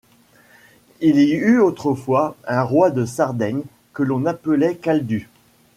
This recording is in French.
Il y eut autrefois un roi de Sardaigne que l'on appelait Caldus.